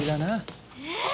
えっ？